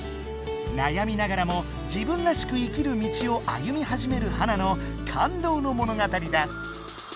なやみながらも自分らしく生きる道を歩みはじめるハナの感動のものがたりだ。